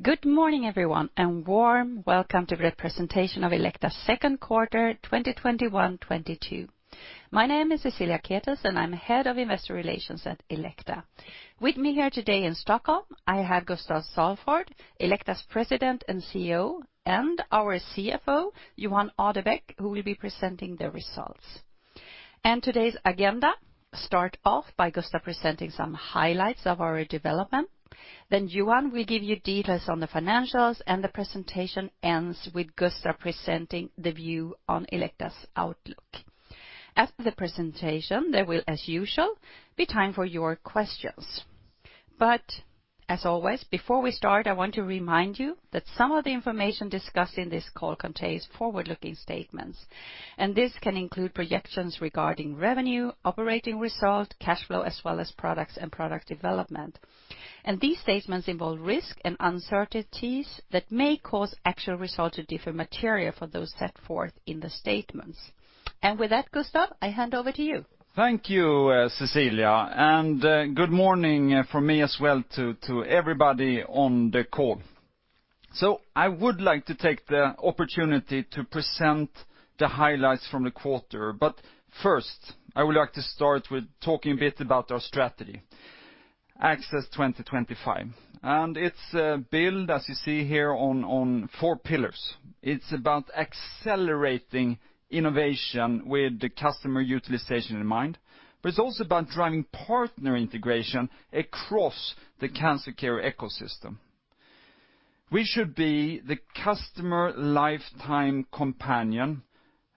Good morning, everyone, and warm welcome to the presentation of Elekta's Q2 2021-2022. My name is Cecilia Ketels, and I'm Head of Investor Relations at Elekta. With me here today in Stockholm, I have Gustaf Salford, Elekta's President and CEO, and our CFO, Johan Adebäck, who will be presenting the results. Today's agenda start off by Gustaf presenting some highlights of our development. Then Johan will give you details on the financials, and the presentation ends with Gustaf presenting the view on Elekta's outlook. After the presentation, there will, as usual, be time for your questions. As always, before we start, I want to remind you that some of the information discussed in this call contains forward-looking statements, and this can include projections regarding revenue, operating results, cash flow, as well as products and product development. These statements involve risks and uncertainties that may cause actual results to differ materially from those set forth in the statements. With that, Gustaf, I hand over to you. Thank you, Cecilia, and good morning from me as well to everybody on the call. I would like to take the opportunity to present the highlights from the quarter. First, I would like to start with talking a bit about our strategy, Access 2025. It's built, as you see here, on four pillars. It's about accelerating innovation with the customer utilization in mind, but it's also about driving partner integration across the cancer care ecosystem. We should be the customer lifetime companion,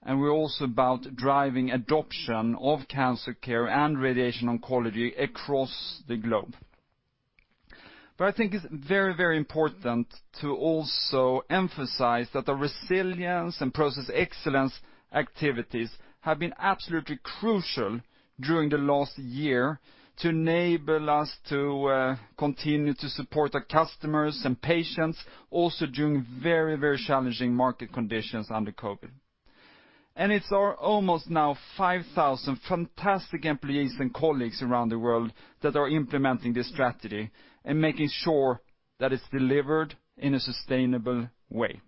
and we're also about driving adoption of cancer care and radiation oncology across the globe. I think it's very, very important to also emphasize that the resilience and process excellence activities have been absolutely crucial during the last year to enable us to continue to support our customers and patients also during very, very challenging market conditions under COVID. It's our almost now 5,000 fantastic employees and colleagues around the world that are implementing this strategy and making sure that it's delivered in a sustainable way.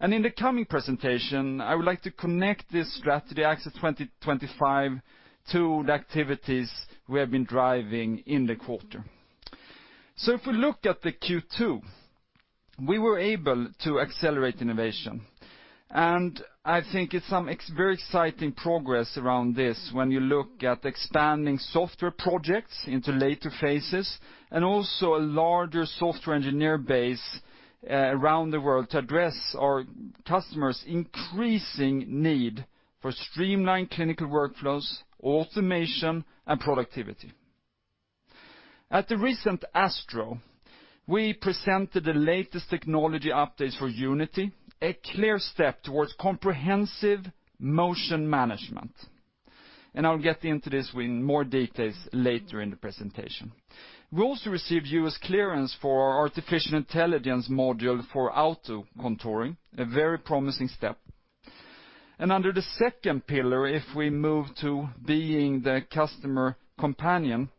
In the coming presentation, I would like to connect this strategy Access 2025 to the activities we have been driving in the quarter. If we look at the Q2, we were able to accelerate innovation. I think it's some extremely exciting progress around this when you look at expanding software projects into later phases and also a larger software engineer base around the world to address our customers' increasing need for streamlined clinical workflows, automation, and productivity. At the recent ASTRO, we presented the latest technology updates for Unity, a clear step towards comprehensive motion management. I'll get into this in more details later in the presentation. We also received U.S. clearance for our artificial intelligence module for AI auto-contouring, a very promising step. Under the second pillar, if we move to being the customer companion,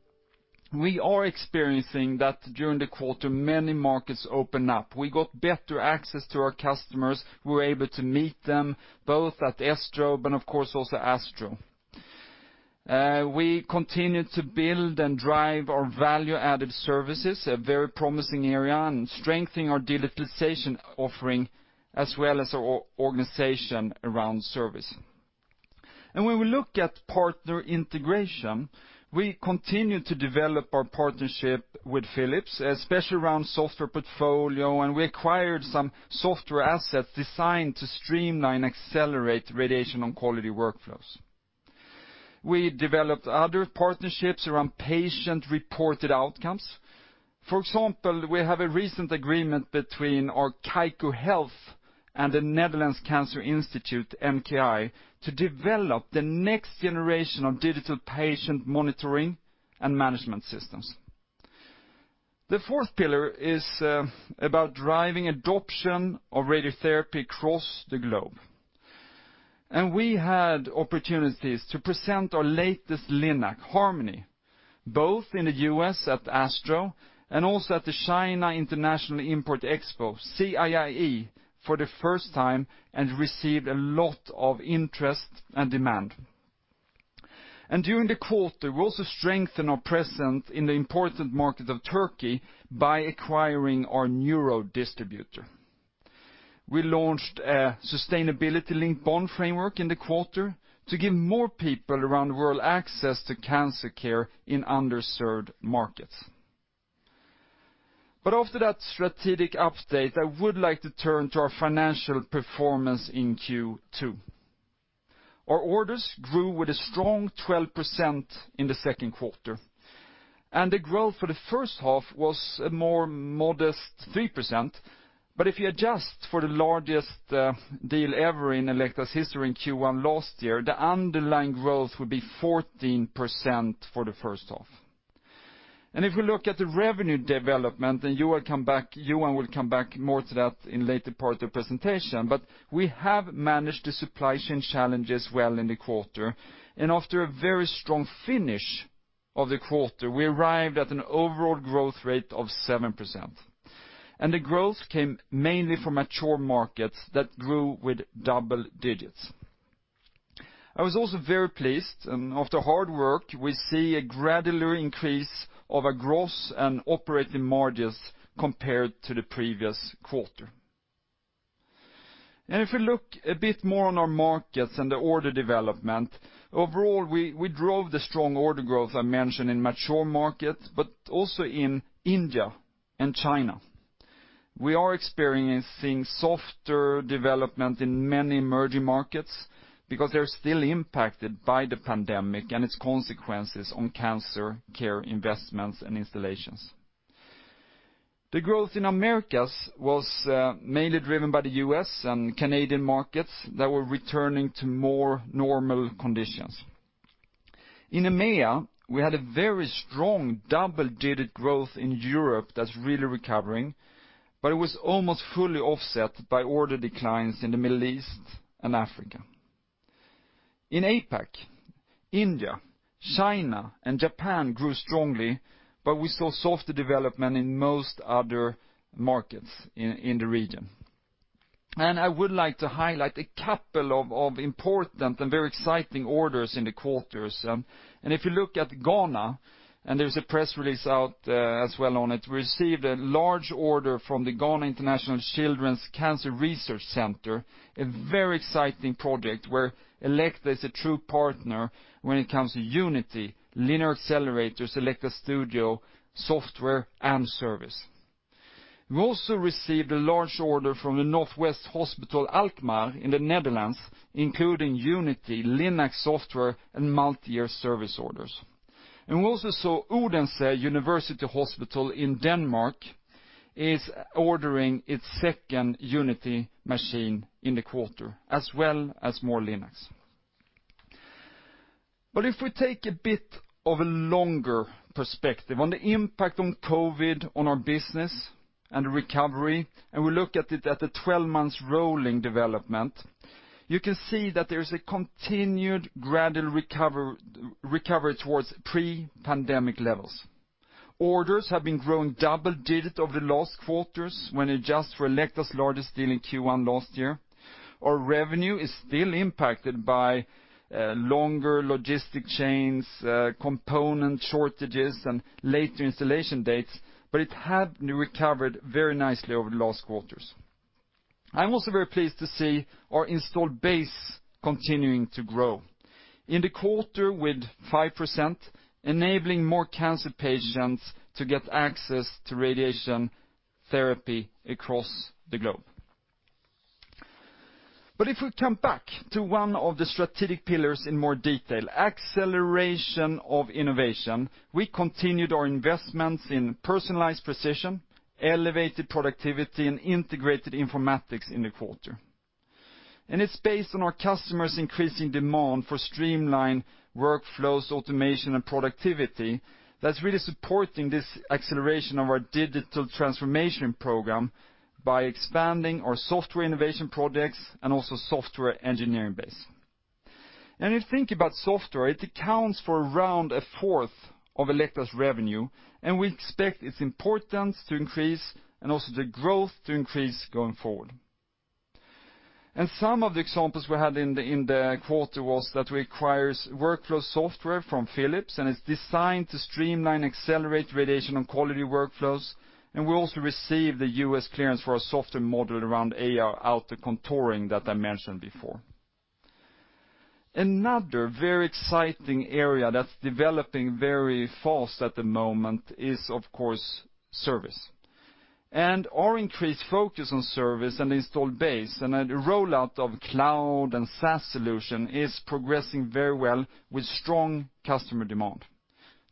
we are experiencing that during the quarter, many markets open up. We got better access to our customers. We were able to meet them both at ESTRO, but of course also ASTRO. We continued to build and drive our value-added services, a very promising area, and strengthen our digitalization offering as well as our organization around service. When we look at partner integration, we continued to develop our partnership with Philips, especially around software portfolio, and we acquired some software assets designed to streamline and accelerate radiation oncology workflows. We developed other partnerships around patient-reported outcomes. For example, we have a recent agreement between our Kaiku Health and the Netherlands Cancer Institute, NKI, to develop the next generation of digital patient monitoring and management systems. The fourth pillar is about driving adoption of radiotherapy across the globe. We had opportunities to present our latest LINAC, Harmony, both in the U.S. at ASTRO and also at the China International Import Expo, CIIE, for the first time and received a lot of interest and demand. During the quarter, we also strengthened our presence in the important market of Turkey by acquiring our neuro distributor. We launched a sustainability-linked bond framework in the quarter to give more people around the world access to cancer care in underserved markets. After that strategic update, I would like to turn to our financial performance in Q2. Our orders grew with a strong 12% in the Q2, and the growth for the first half was a more modest 3%. If you adjust for the largest deal ever in Elekta's history in Q1 last year, the underlying growth would be 14% for the first half. If we look at the revenue development, Johan will come back more to that in later part of the presentation. We have managed the supply chain challenges well in the quarter. After a very strong finish of the quarter, we arrived at an overall growth rate of 7%, and the growth came mainly from mature markets that grew with double digits. I was also very pleased, and after hard work, we see a gradual increase of our gross and operating margins compared to the previous quarter. If you look a bit more on our markets and the order development, overall, we drove the strong order growth I mentioned in mature markets, but also in India and China. We are experiencing softer development in many emerging markets because they're still impacted by the pandemic and its consequences on cancer care investments and installations. The growth in Americas was mainly driven by the U.S. and Canadian markets that were returning to more normal conditions. In EMEA, we had a very strong double-digit growth in Europe that's really recovering, but it was almost fully offset by order declines in the Middle East and Africa. In APAC, India, China, and Japan grew strongly, but we saw softer development in most other markets in the region. I would like to highlight a couple of important and very exciting orders in the quarters. If you look at Ghana, and there's a press release out, as well on it, we received a large order from the International Children's Cancer Research Centre, a very exciting project where Elekta is a true partner when it comes to Unity, linear accelerators, Elekta Studio, software, and service. We also received a large order from the Northwest Clinics Alkmaar in the Netherlands, including Unity, LINAC software, and multi-year service orders. We also saw Odense University Hospital in Denmark ordering its second Unity machine in the quarter, as well as more LINACs. If we take a bit of a longer perspective on the impact of COVID on our business and recovery, and we look at it at the 12-month rolling development, you can see that there's a continued gradual recovery towards pre-pandemic levels. Orders have been growing double digits over the last quarters when adjusted for Elekta's largest deal in Q1 last year. Our revenue is still impacted by longer logistic chains, component shortages, and later installation dates, but it has recovered very nicely over the last quarters. I'm also very pleased to see our installed base continuing to grow in the quarter with 5%, enabling more cancer patients to get access to radiation therapy across the globe. If we come back to one of the strategic pillars in more detail, acceleration of innovation. We continued our investments in personalized precision, elevated productivity, and integrated informatics in the quarter. It's based on our customers' increasing demand for streamlined workflows, automation, and productivity that's really supporting this acceleration of our digital transformation program by expanding our software innovation projects and also software engineering base. When you think about software, it accounts for around a fourth of Elekta's revenue, and we expect its importance to increase and also the growth to increase going forward. Some of the examples we had in the quarter was that we acquired workflow software from Philips, and it's designed to streamline, accelerate radiation oncology workflows. We also received the US clearance for our software model around AI auto-contouring that I mentioned before. Another very exciting area that's developing very fast at the moment is, of course, service. Our increased focus on service and installed base and the rollout of cloud and SaaS solution is progressing very well with strong customer demand.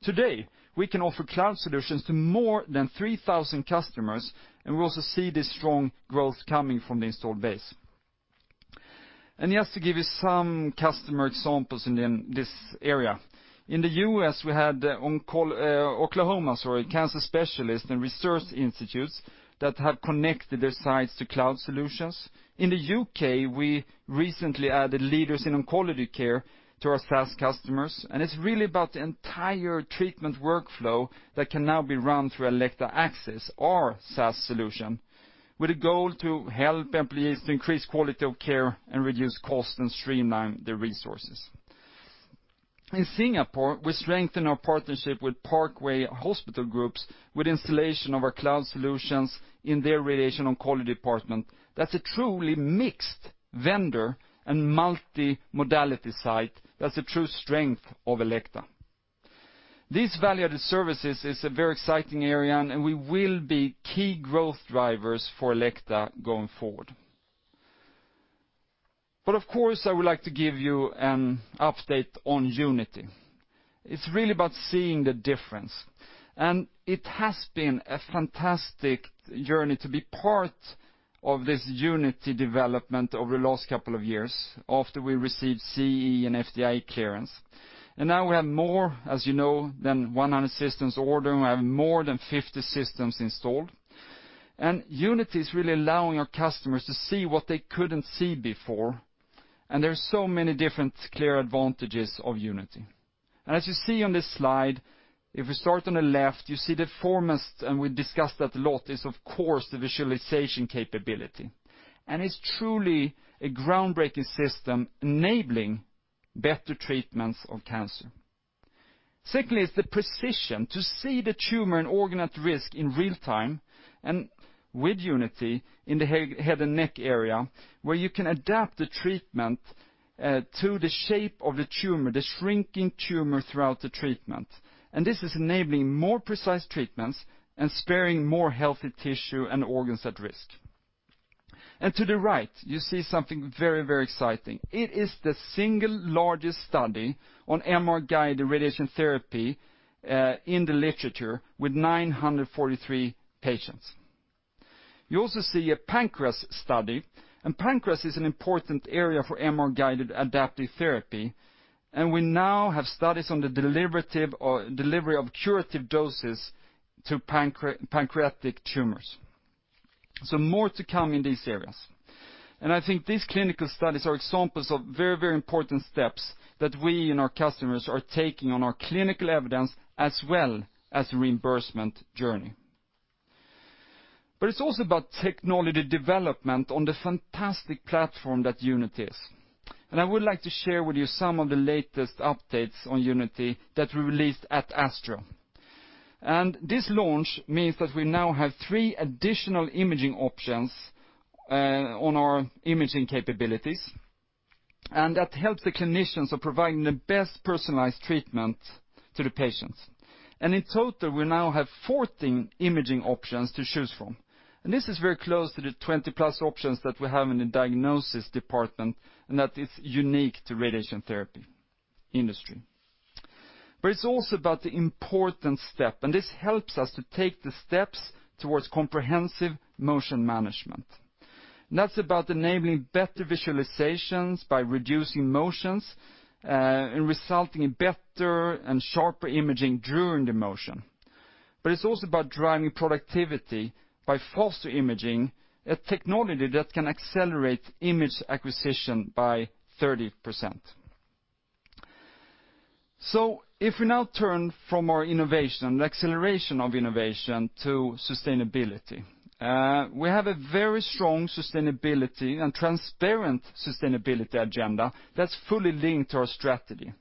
Today, we can offer cloud solutions to more than 3,000 customers, and we also see this strong growth coming from the installed base. Just to give you some customer examples in this area. In the U.S., we had Oklahoma cancer specialists and research institutes that have connected their sites to cloud solutions. In the U.K., we recently added Leaders in Oncology Care to our SaaS customers, and it's really about the entire treatment workflow that can now be run through Elekta Axis, our SaaS solution, with a goal to help employees to increase quality of care and reduce cost and streamline their resources. In Singapore, we strengthened our partnership with Parkway Pantai with installation of our cloud solutions in their radiation oncology department. That's a truly mixed vendor and multi-modality site. That's a true strength of Elekta. These value-added services is a very exciting area, and we will be key growth drivers for Elekta going forward. Of course, I would like to give you an update on Unity. It's really about seeing the difference. It has been a fantastic journey to be part of this Unity development over the last couple of years after we received CE and FDA clearance. Now we have more, as you know, than 100 systems ordered, and we have more than 50 systems installed. Unity is really allowing our customers to see what they couldn't see before. There's so many different clear advantages of Unity. As you see on this slide, if we start on the left, you see the foremost, and we discussed that a lot, is of course, the visualization capability. It's truly a groundbreaking system enabling better treatments of cancer. Secondly, it's the precision to see the tumor and organ at risk in real time, and with Unity in the head and neck area, where you can adapt the treatment to the shape of the tumor, the shrinking tumor throughout the treatment. This is enabling more precise treatments and sparing more healthy tissue and organs at risk. To the right, you see something very, very exciting. It is the single largest study on MR-guided radiation therapy in the literature with 943 patients. You also see a pancreas study, and pancreas is an important area for MR-guided adaptive therapy, and we now have studies on the delivery of curative doses to pancreatic tumors. More to come in these areas. I think these clinical studies are examples of very, very important steps that we and our customers are taking on our clinical evidence as well as reimbursement journey. It's also about technology development on the fantastic platform that Unity is. I would like to share with you some of the latest updates on Unity that we released at ASTRO. This launch means that we now have three additional imaging options on our imaging capabilities, and that helps the clinicians in providing the best personalized treatment to the patients. In total, we now have 14 imaging options to choose from. This is very close to the 20+ options that we have in the diagnosis department, and that is unique to radiation therapy industry. It's also about the important step, and this helps us to take the steps towards comprehensive motion management. That's about enabling better visualizations by reducing motions, and resulting in better and sharper imaging during the motion. It's also about driving productivity by faster imaging, a technology that can accelerate image acquisition by 30%. If we now turn from our innovation, the acceleration of innovation to sustainability, we have a very strong sustainability and transparent sustainability agenda that's fully linked to our strategy.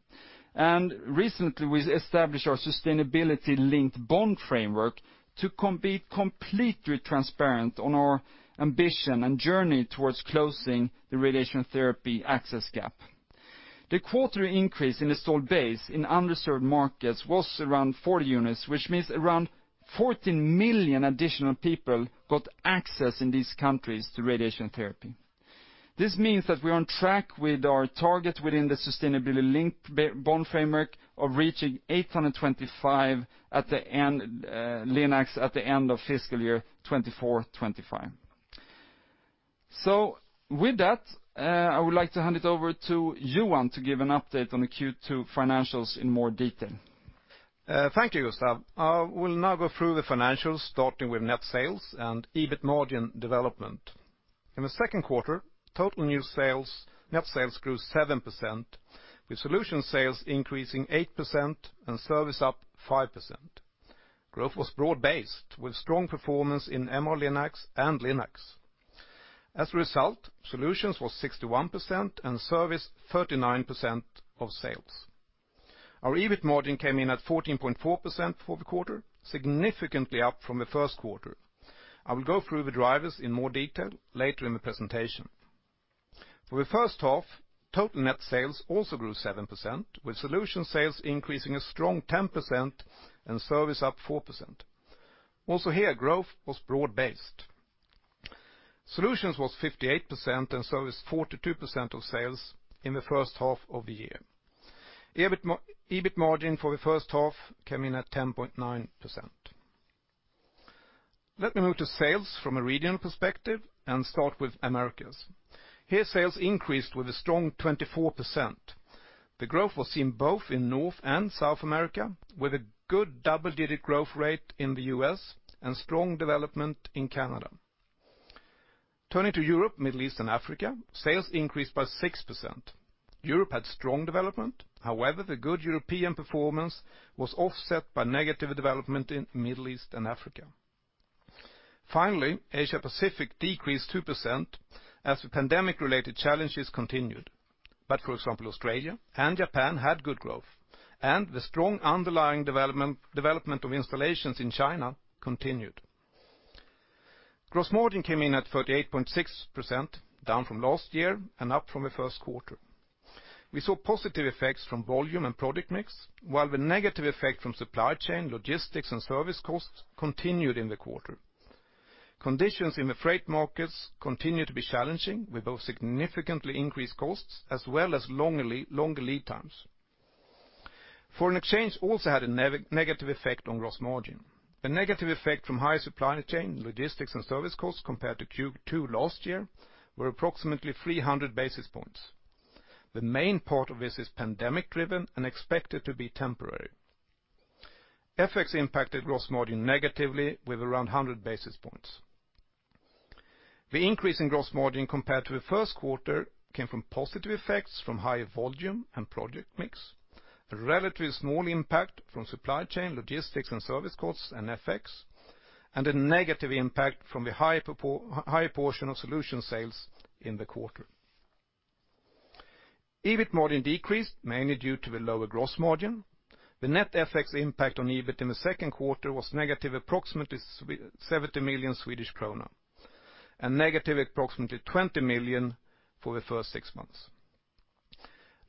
Recently, we established our Sustainability-Linked Bond Framework to communicate completely transparently on our ambition and journey towards closing the radiation therapy access gap. The quarterly increase in the installed base in underserved markets was around 40 units, which means around 14 million additional people got access in these countries to radiation therapy. This means that we're on track with our target within the sustainability-linked bond framework of reaching 825 LINACs at the end of fiscal year 2024, 2025. With that, I would like to hand it over to Johan to give an update on the Q2 financials in more detail. Thank you, Gustaf. I will now go through the financials, starting with net sales and EBIT margin development. In the Q2, total net sales grew 7%, with solution sales increasing 8% and service up 5%. Growth was broad-based with strong performance in MR-Linacs and LINACs. As a result, solutions was 61% and service 39% of sales. Our EBIT margin came in at 14.4% for the quarter, significantly up from the Q1. I will go through the drivers in more detail later in the presentation. For the first half, total net sales also grew 7%, with solution sales increasing a strong 10% and service up 4%. Also here, growth was broad-based. Solutions was 58% and service 42% of sales in the first half of the year. EBIT margin for the first half came in at 10.9%. Let me move to sales from a regional perspective and start with Americas. Here, sales increased with a strong 24%. The growth was seen both in North and South America with a good double-digit growth rate in the U.S. and strong development in Canada. Turning to Europe, Middle East and Africa, sales increased by 6%. Europe had strong development. However, the good European performance was offset by negative development in Middle East and Africa. Finally, Asia Pacific decreased 2% as the pandemic-related challenges continued. For example, Australia and Japan had good growth, and the strong underlying development of installations in China continued. Gross margin came in at 38.6%, down from last year and up from the Q1. We saw positive effects from volume and product mix, while the negative effect from supply chain, logistics, and service costs continued in the quarter. Conditions in the freight markets continued to be challenging with both significantly increased costs as well as longer lead times. Foreign exchange also had a negative effect on gross margin. The negative effect from higher supply chain, logistics, and service costs compared to Q2 last year were approximately 300 basis points. The main part of this is pandemic-driven and expected to be temporary. FX impacted gross margin negatively with around 100 basis points. The increase in gross margin compared to the Q1 came from positive effects from higher volume and product mix, a relatively small impact from supply chain, logistics, and service costs and FX, and a negative impact from the high portion of solution sales in the quarter. EBIT margin decreased mainly due to the lower gross margin. The net FX impact on EBIT in the Q2 was negative approximately 70 million Swedish krona, and negative approximately 20 million for the first six months.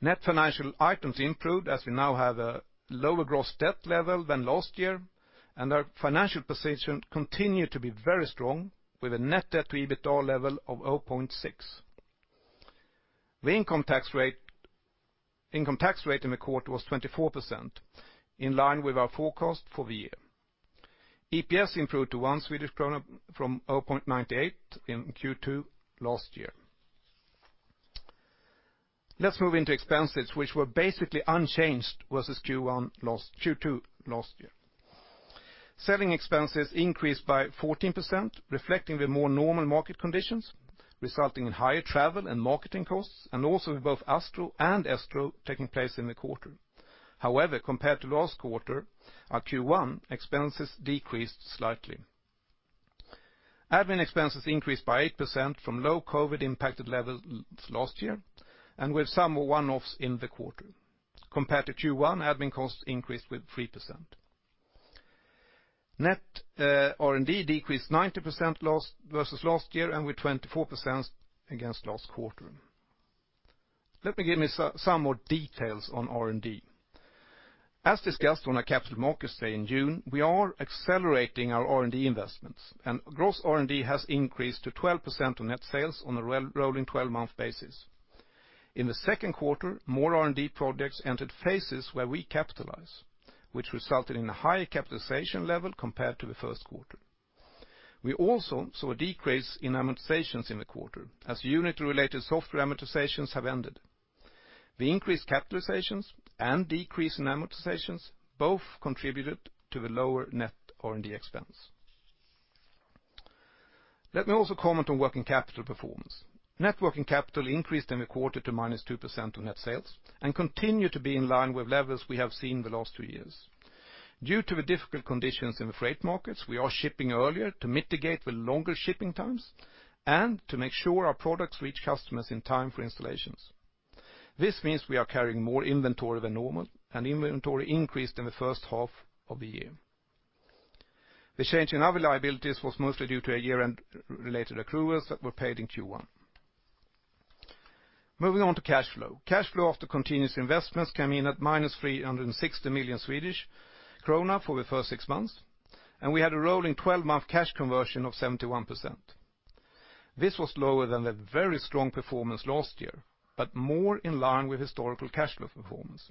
Net financial items improved as we now have a lower gross debt level than last year, and our financial position continued to be very strong with a net debt to EBITDA level of 0.6. The income tax rate in the quarter was 24%, in line with our forecast for the year. EPS improved to 1 Swedish krona from 0.98 in Q2 last year. Let's move into expenses, which were basically unchanged versus Q2 last year. Selling expenses increased by 14%, reflecting the more normal market conditions, resulting in higher travel and marketing costs, and also with both ASTRO and ESTRO taking place in the quarter. However, compared to last quarter, our Q1 expenses decreased slightly. Admin expenses increased by 8% from low COVID-impacted levels last year, and with some one-offs in the quarter. Compared to Q1, admin costs increased with 3%. Net, R&D decreased 90% versus last year and with 24% against last quarter. Let me give you some more details on R&D. As discussed on our Capital Markets Day in June, we are accelerating our R&D investments, and gross R&D has increased to 12% of net sales on a rolling twelve-month basis. In the Q2, more R&D projects entered phases where we capitalize, which resulted in a higher capitalization level compared to the Q1. We also saw a decrease in amortizations in the quarter as unit-related software amortizations have ended. The increased capitalizations and decrease in amortizations both contributed to the lower net R&D expense. Let me also comment on working capital performance. Net working capital increased in the quarter to -2% of net sales and continue to be in line with levels we have seen the last two years. Due to the difficult conditions in the freight markets, we are shipping earlier to mitigate the longer shipping times and to make sure our products reach customers in time for installations. This means we are carrying more inventory than normal, and inventory increased in the first half of the year. The change in our liabilities was mostly due to a year-end related accruals that were paid in Q1. Moving on to cash flow. Cash flow after continuous investments came in at -360 million Swedish krona for the first six months, and we had a rolling twelve-month cash conversion of 71%. This was lower than the very strong performance last year, but more in line with historical cash flow performance.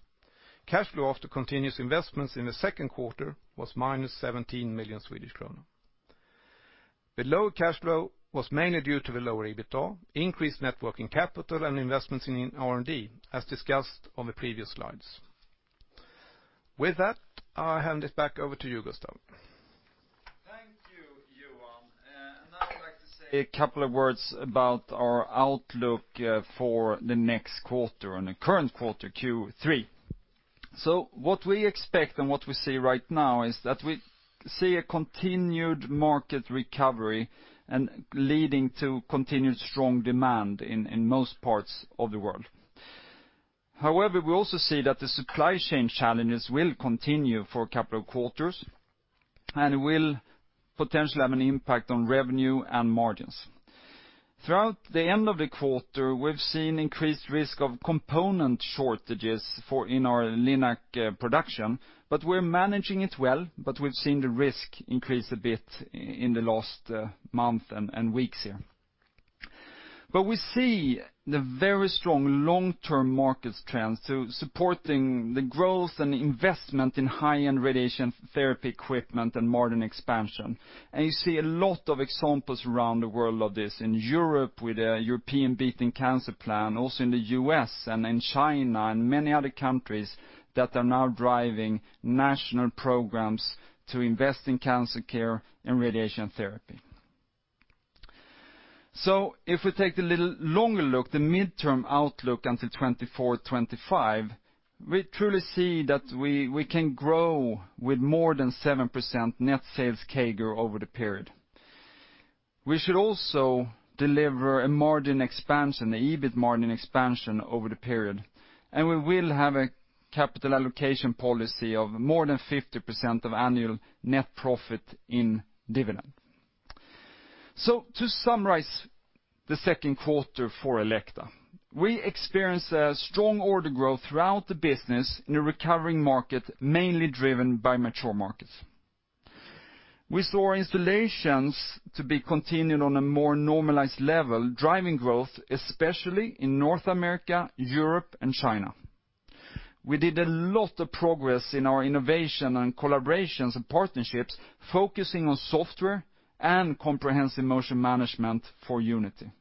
Cash flow after continuous investments in the Q2 was -17 million Swedish kronor. The low cash flow was mainly due to the lower EBITA, increased net working capital, and investments in R&D, as discussed on the previous slides. With that, I'll hand it back over to you, Gustaf. Thank you, Johan. Now I'd like to say a couple of words about our outlook for the next quarter and the current quarter, Q3. What we expect and what we see right now is that we see a continued market recovery leading to continued strong demand in most parts of the world. However, we also see that the supply chain challenges will continue for a couple of quarters and will potentially have an impact on revenue and margins. Towards the end of the quarter, we've seen increased risk of component shortages for our LINAC production, but we're managing it well. We've seen the risk increase a bit in the last month and weeks here. We see the very strong long-term market trends supporting the growth and investment in high-end radiation therapy equipment and modern expansion. You see a lot of examples around the world of this, in Europe with Europe's Beating Cancer Plan, also in the U.S. and in China and many other countries that are now driving national programs to invest in cancer care and radiation therapy. If we take a little longer look, the mid-term outlook until 2024, 2025, we truly see that we can grow with more than 7% net sales CAGR over the period. We should also deliver a margin expansion, the EBIT margin expansion over the period, and we will have a capital allocation policy of more than 50% of annual net profit in dividend. To summarize the Q2 for Elekta, we experienced a strong order growth throughout the business in a recovering market, mainly driven by mature markets. We saw installations to be continued on a more normalized level, driving growth, especially in North America, Europe, and China. We did a lot of progress in our innovation and collaborations and partnerships, focusing on software and comprehensive motion management for Unity.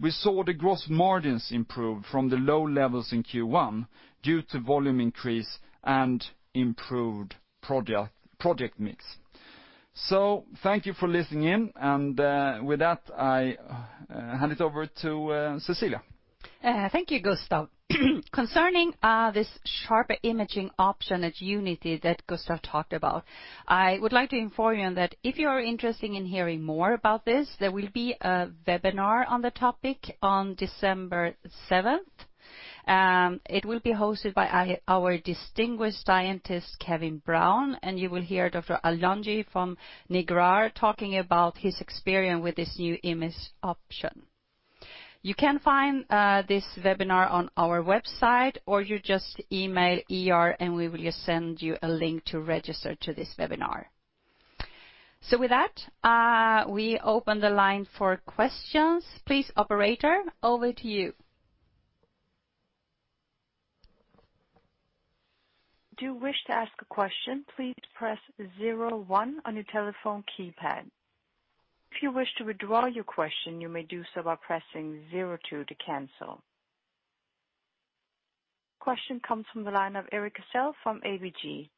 We saw the gross margins improve from the low levels in Q1 due to volume increase and improved project mix. Thank you for listening in and, with that, I hand it over to Cecilia. Thank you, Gustaf. Concerning this sharper imaging option at Unity that Gustaf talked about, I would like to inform you that if you are interested in hearing more about this, there will be a webinar on the topic on December 7th. It will be hosted by our distinguished scientist, Kevin Brown, and you will hear Dr. Alongi from Negrar talking about his experience with this new imaging option. You can find this webinar on our website, or you just email IR and we will just send you a link to register to this webinar. With that, we open the line for questions. Please, operator, over to you. Question comes from the line of Erik Cassel from ABG.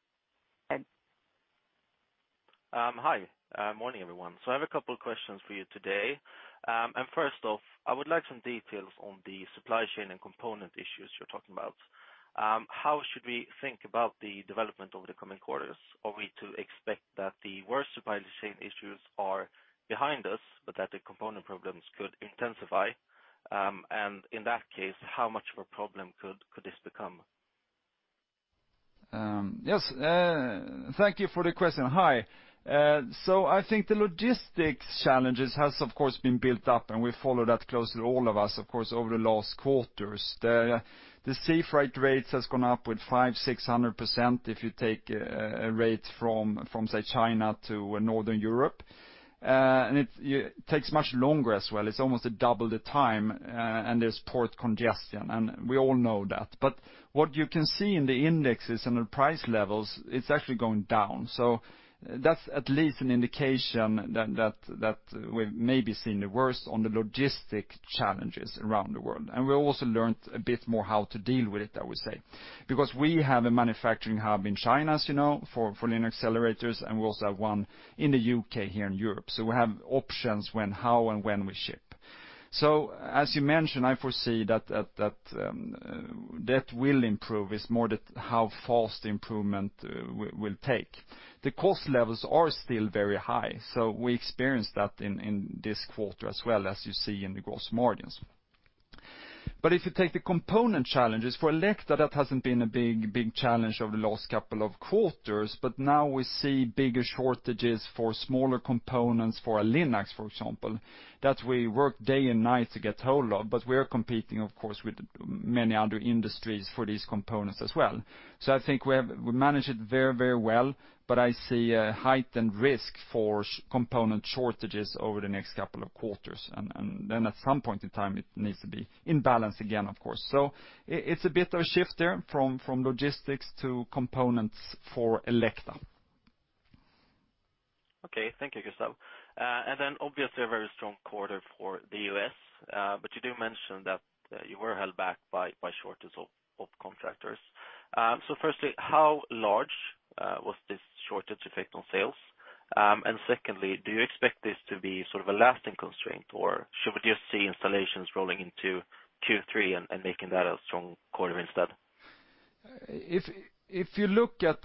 Hi. Morning, everyone. I have a couple questions for you today. First off, I would like some details on the supply chain and component issues you're talking about. How should we think about the development over the coming quarters? Are we to expect that the worst supply chain issues are behind us, but that the component problems could intensify? In that case, how much of a problem could this become? Yes. Thank you for the question. So I think the logistics challenges has of course been built up, and we follow that closely, all of us, of course, over the last quarters. The sea freight rates has gone up with 500%-600% if you take a rate from, say, China to Northern Europe. And it takes much longer as well. It's almost double the time, and there's port congestion, and we all know that. But what you can see in the indexes and the price levels, it's actually going down. So that's at least an indication that we're maybe seeing the worst on the logistic challenges around the world. We also learned a bit more how to deal with it, I would say. Because we have a manufacturing hub in China, as you know, for LINAC accelerators, and we also have one in the U.K. here in Europe. We have options when, how and when we ship. As you mentioned, I foresee that that will improve. It's more the how fast the improvement will take. The cost levels are still very high, so we experienced that in this quarter as well, as you see in the gross margins. If you take the component challenges, for Elekta, that hasn't been a big challenge over the last couple of quarters. Now we see bigger shortages for smaller components for LINACs, for example, that we work day and night to get hold of. We're competing, of course, with many other industries for these components as well. I think we manage it very, very well, but I see a heightened risk for component shortages over the next couple of quarters. Then at some point in time, it needs to be in balance again, of course. It's a bit of a shift there from logistics to components for Elekta. Okay. Thank you, Gustaf. And then obviously a very strong quarter for the U.S., but you do mention that you were held back by shortage of contractors. Firstly, how large was this shortage effect on sales? Secondly, do you expect this to be sort of a lasting constraint, or should we just see installations rolling into Q3 and making that a strong quarter instead?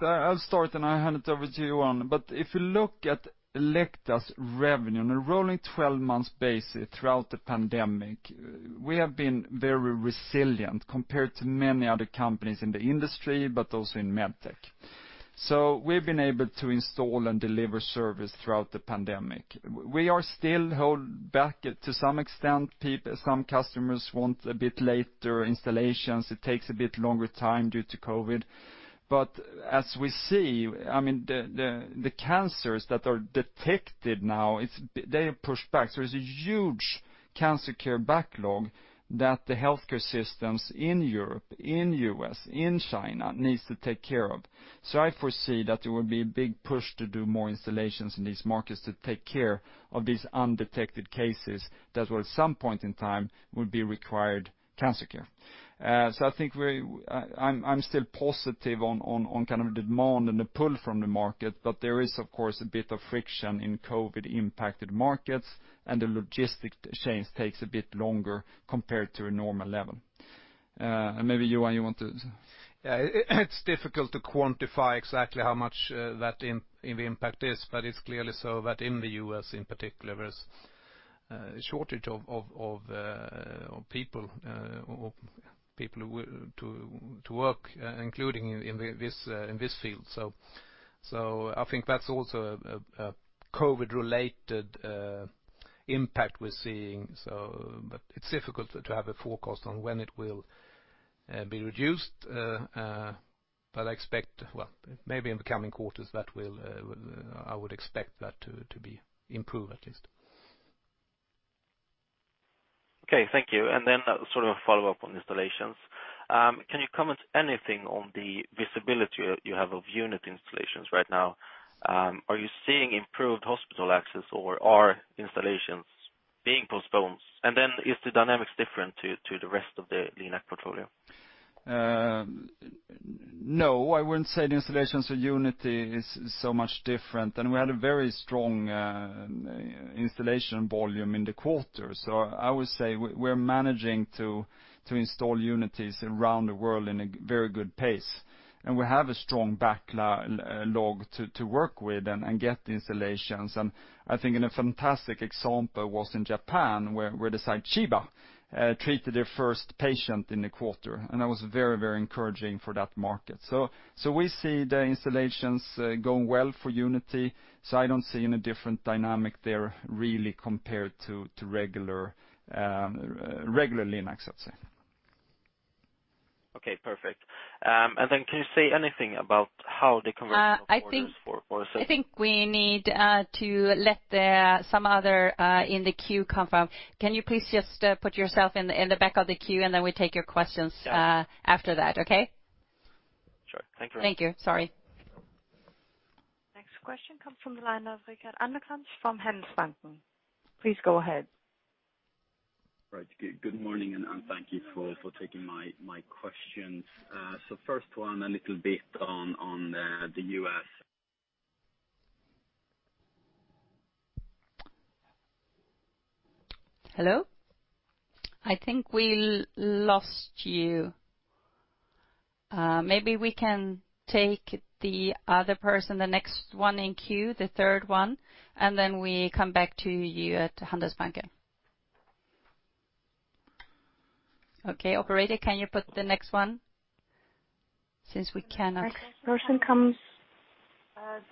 I'll start and I'll hand it over to Johan. If you look at Elekta's revenue on a rolling twelve months basis throughout the pandemic, we have been very resilient compared to many other companies in the industry, but also in med tech. We've been able to install and deliver service throughout the pandemic. We are still held back to some extent. Some customers want a bit later installations. It takes a bit longer time due to COVID. As we see, I mean, the cancers that are detected now, it's, they are pushed back. There's a huge cancer care backlog that the healthcare systems in Europe, in U.S., in China needs to take care of. I foresee that there will be a big push to do more installations in these markets to take care of these undetected cases that will at some point in time be required cancer care. I think I'm still positive on kind of the demand and the pull from the market, but there is of course a bit of friction in COVID-impacted markets and the logistics chains take a bit longer compared to a normal level. Maybe, Johan, you want to... Yeah. It's difficult to quantify exactly how much the impact is, but it's clearly so that in the U.S. in particular, there's a shortage of people to work, including in this field. I think that's also a COVID-related impact we're seeing. But it's difficult to have a forecast on when it will be reduced. But I expect, well, maybe in the coming quarters, I would expect that to be improved at least. Okay, thank you. Sort of a follow-up on installations. Can you comment anything on the visibility you have of unit installations right now? Are you seeing improved hospital access or are installations being postponed? Is the dynamics different to the rest of the LINAC portfolio? No, I wouldn't say the installations of Unity is so much different, and we had a very strong installation volume in the quarter. I would say we're managing to install Unities around the world in a very good pace. We have a strong backlog to work with and get the installations. I think a fantastic example was in Japan where the site Chiba treated their first patient in the quarter, and that was very encouraging for that market. We see the installations going well for Unity, so I don't see any different dynamic there really compared to regular LINACs, I'd say. Okay, perfect. Can you say anything about how the conversion of orders for- I think we need to let some other in the queue come from. Can you please just put yourself in the back of the queue, and then we take your questions. Yeah. After that, okay? Sure. Thank you. Thank you. Sorry. Next question comes from the line of Rickard Anderkrans from Handelsbanken. Please go ahead. Right. Good morning, and thank you for taking my questions. First one, a little bit on the U.S. Hello? I think we lost you. Maybe we can take the other person, the next one in queue, the third one, and then we come back to you at Handelsbanken. Okay, operator, can you put the next one since we cannot- The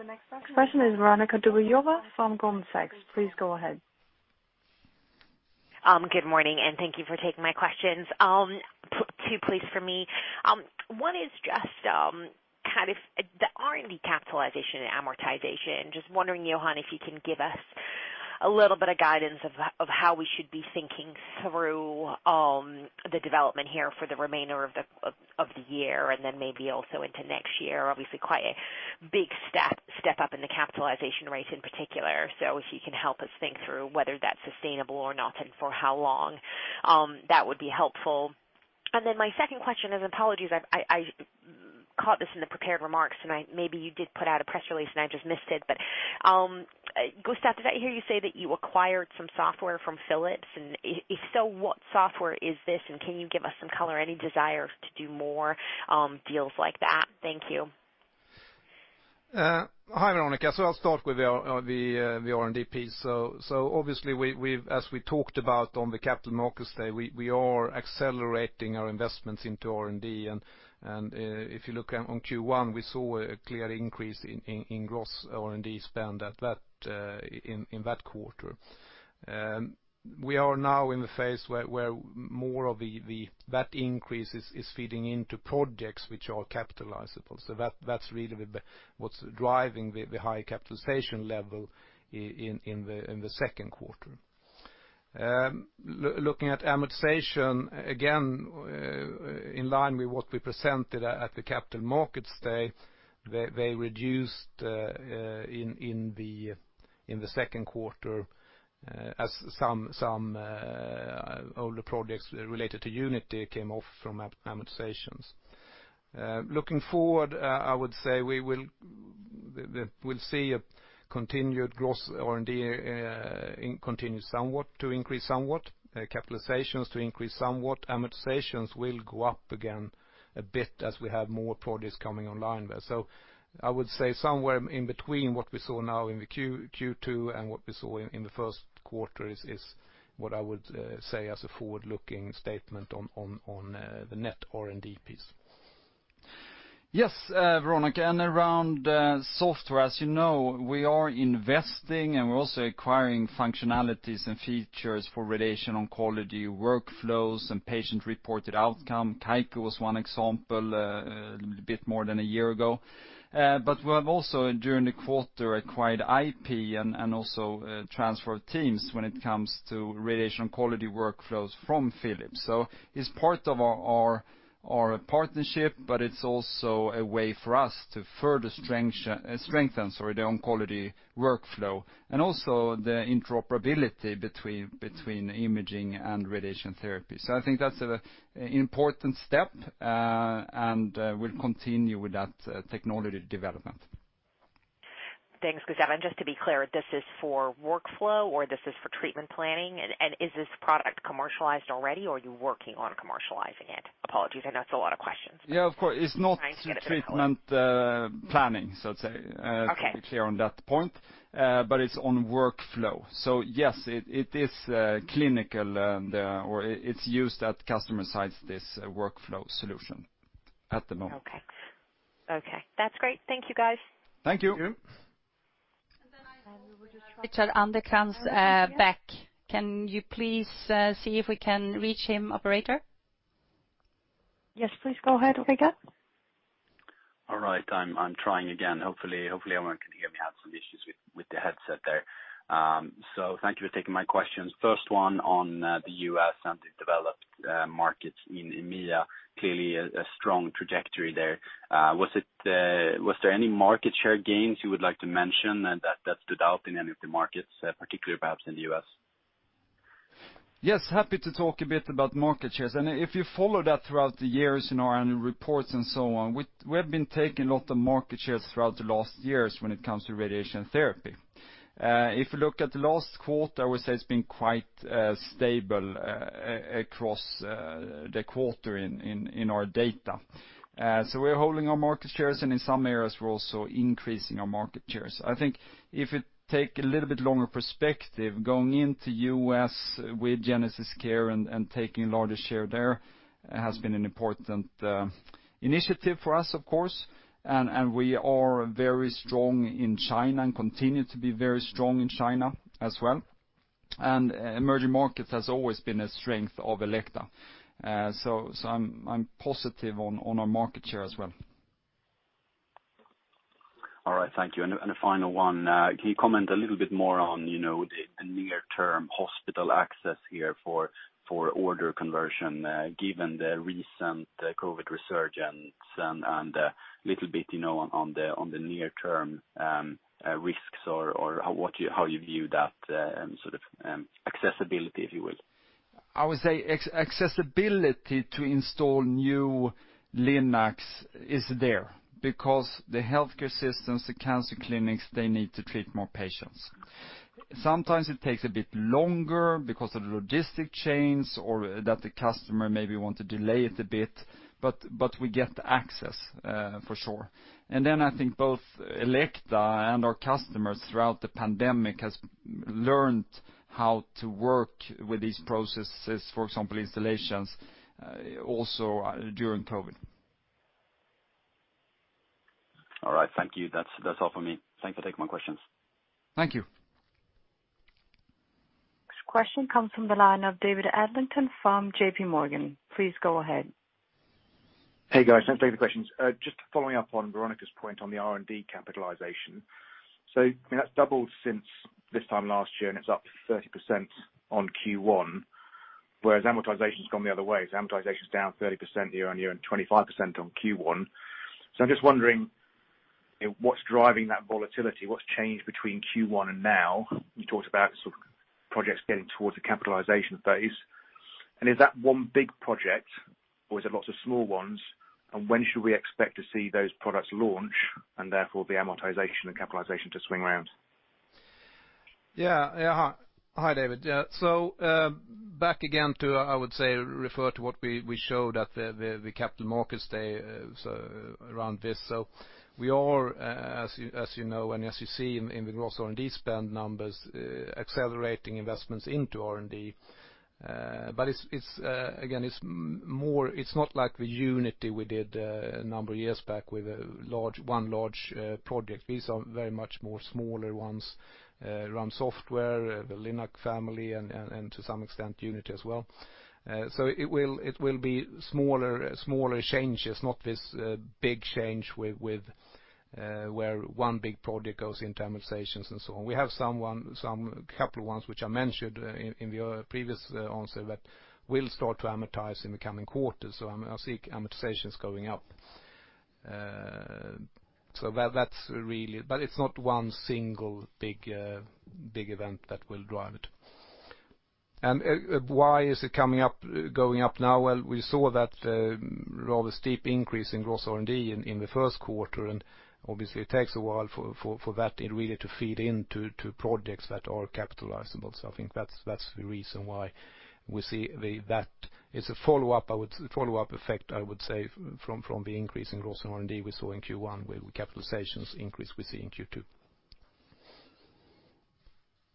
next person is Veronika Dubajova from Goldman Sachs. Please go ahead. Good morning, and thank you for taking my questions. Two please for me. One is just kind of the R&D capitalization and amortization. Just wondering, Johan, if you can give us a little bit of guidance of how we should be thinking through the development here for the remainder of the year and then maybe also into next year. Obviously, quite a big step up in the capitalization rate in particular. So if you can help us think through whether that's sustainable or not, and for how long, that would be helpful. My second question is, apologies, I've caught this in the prepared remarks, and maybe you did put out a press release, and I just missed it. Gustaf, did I hear you say that you acquired some software from Philips? If so, what software is this, and can you give us some color, any desire to do more deals like that? Thank you. Hi, Veronika. I'll start with the R&D piece. Obviously, as we talked about on the Capital Markets Day, we are accelerating our investments into R&D. If you look at Q1, we saw a clear increase in gross R&D spend in that quarter. We are now in the phase where more of that increase is feeding into projects which are capitalizable. That's really what's driving the high capitalization level in the Q2. Looking at amortization, again, in line with what we presented at the Capital Markets Day, they reduced in the Q2 as some older projects related to Unity came off from amortizations. Looking forward, I would say we'll see gross R&D continue somewhat to increase somewhat, capitalizations to increase somewhat. Amortizations will go up again a bit as we have more projects coming online there. I would say somewhere in between what we saw now in the Q2 and what we saw in the Q1 is what I would say as a forward-looking statement on the net R&D piece. Yes, Veronika. Around software, as you know, we are investing, and we're also acquiring functionalities and features for radiation oncology workflows and patient-reported outcome. Kaiku was one example, a bit more than a year ago. We have also, during the quarter, acquired IP and also transfer of teams when it comes to radiation oncology workflows from Philips. It's part of our partnership, but it's also a way for us to further strengthen the oncology workflow and also the interoperability between imaging and radiation therapy. I think that's an important step, and we'll continue with that technology development. Thanks, Gustaf. Just to be clear, this is for workflow or this is for treatment planning? And is this product commercialized already or are you working on commercializing it? Apologies, I know it's a lot of questions. Yeah, of course. Trying to get a good hold. It's not treatment planning, so to say. Okay. To be clear on that point. It's on workflow. Yes, it is clinical. It's used at customer sites, this workflow solution at the moment. Okay. Okay. That's great. Thank you, guys. Thank you. I will just reach out Anderkrans back. Can you please see if we can reach him, operator? Yes, please go ahead, Rick. All right, I'm trying again. Hopefully everyone can hear me. I had some issues with the headset there. Thank you for taking my questions. First one on the U.S. and the developed markets in EMEA. Clearly a strong trajectory there. Was there any market share gains you would like to mention that stood out in any of the markets, particularly perhaps in the U.S.? Yes, happy to talk a bit about market shares. If you follow that throughout the years in our annual reports and so on, we have been taking a lot of market shares throughout the last years when it comes to radiation therapy. If you look at the last quarter, I would say it's been quite stable across the quarter in our data. We're holding our market shares, and in some areas we're also increasing our market shares. I think if you take a little bit longer perspective, going into U.S. with GenesisCare and taking a larger share there has been an important initiative for us, of course. We are very strong in China and continue to be very strong in China as well. Emerging markets has always been a strength of Elekta. I'm positive on our market share as well. All right. Thank you. A final one. Can you comment a little bit more on, you know, the near-term hospital access here for order conversion, given the recent COVID resurgence and a little bit, you know, on the near term risks or how you view that sort of accessibility, if you will? I would say accessibility to install new LINACs is there because the healthcare systems, the cancer clinics, they need to treat more patients. Sometimes it takes a bit longer because of the logistic chains or that the customer maybe want to delay it a bit, but we get the access, for sure. Then I think both Elekta and our customers throughout the pandemic has learned how to work with these processes, for example, installations also during COVID. All right. Thank you. That's all for me. Thanks for taking my questions. Thank you. Next question comes from the line of David Adlington from JPMorgan. Please go ahead. Hey, guys. Thanks for taking the questions. Just following up on Veronika's point on the R&D capitalization. I mean, that's doubled since this time last year, and it's up 30% on Q1, whereas amortization's gone the other way. Amortization's down 30% year-on-year and 25% on Q1. I'm just wondering, you know, what's driving that volatility? What's changed between Q1 and now? You talked about sort of projects getting towards the capitalization phase. Is that one big project or is it lots of small ones? When should we expect to see those products launch and therefore the amortization and capitalization to swing around? Hi, David. Back again to, I would say, refer to what we showed at the Capital Markets Day, so around this. We are, as you know, and as you see in the gross R&D spend numbers, accelerating investments into R&D. It's again, it's more. It's not like the Unity we did a number of years back with a large project. These are very much more smaller ones around software, the LINAC family and to some extent Unity as well. It will be smaller changes, not this big change with where one big project goes into amortizations and so on. We have some couple ones which I mentioned in the previous answer that will start to amortize in the coming quarters, so I mean, I'll see amortizations going up. That's really not one single big event that will drive it. Why is it coming up, going up now? Well, we saw that rather steep increase in gross R&D in the Q1, and obviously it takes a while for that really to feed into projects that are capitalizable. I think that's the reason why we see that. It's a follow-up effect, I would say from the increase in gross R&D we saw in Q1 with capitalizations increase we see in Q2.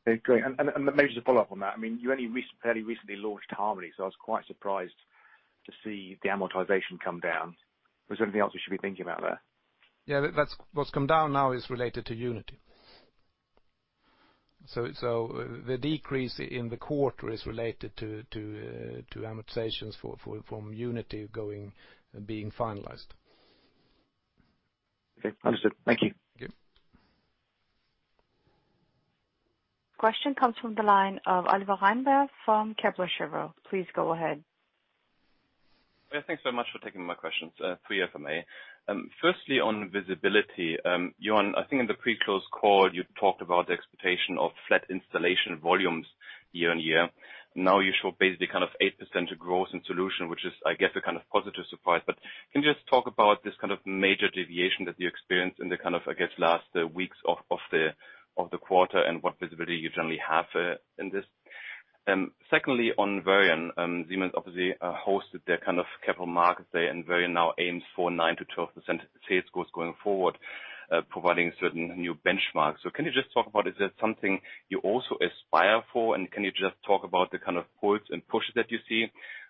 Okay, great. Maybe just a follow-up on that. I mean, you only fairly recently launched Harmony, so I was quite surprised to see the amortization come down. Was there anything else we should be thinking about there? Yeah. That's what's come down now is related to Unity. The decrease in the quarter is related to amortizations from Unity, being finalized. Okay. Understood. Thank you. Thank you. Question comes from the line of Oliver Reinberg from Kepler Cheuvreux. Please go ahead. Yeah, thanks so much for taking my questions, three from me. First, on visibility, Johan, I think in the pre-close call, you talked about the expectation of flat installation volumes year-on-year. Now you show basically kind of 8% growth in solution, which is, I guess, a kind of positive surprise. But can you just talk about this kind of major deviation that you experienced in the kind of last weeks of the quarter and what visibility you generally have in this? Second, on Varian, Siemens obviously hosted their kind of Capital Markets Day, and Varian now aims for 9%-12% sales growth going forward, providing certain new benchmarks. So can you just talk about, is that something you also aspire for? Can you just talk about the kind of pulls and pushes that you see?